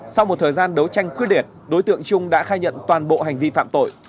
sau một thời gian đấu tranh quyết liệt đối tượng trung đã khai nhận toàn bộ hành vi phạm tội